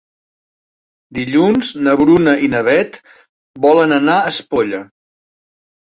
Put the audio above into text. Dilluns na Bruna i na Beth volen anar a Espolla.